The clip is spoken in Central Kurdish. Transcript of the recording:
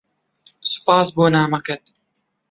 سوپاس بۆ نامەکەت.